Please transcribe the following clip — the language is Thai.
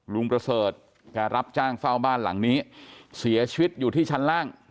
ประเสริฐแกรับจ้างเฝ้าบ้านหลังนี้เสียชีวิตอยู่ที่ชั้นล่าง